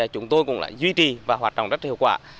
chúng tôi cũng đã duy trì và hoạt động rất hiệu quả